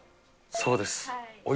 そうです。